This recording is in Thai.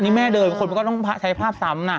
อันนี้แม่เดินคนก็ต้องใช้ภาพซ้ำน่ะ